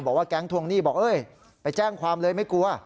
บอกว่าแก๊งทวงหนี้ไปแจ้งความเลยไม่กลัว